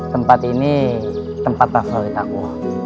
tempat ini tempat favorit aku